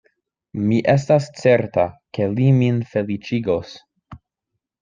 Mi estas certa, ke li min feliĉigos.